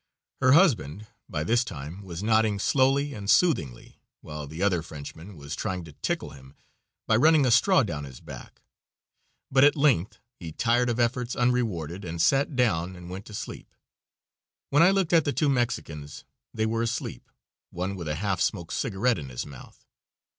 Her husband by this time was nodding slowly and soothingly, while the other Frenchman was trying to tickle him by running a straw down his back, but at length he tired of efforts unrewarded and sat down and went to sleep. When I looked at the two Mexicans they were asleep, one with a half smoked cigarette in his mouth.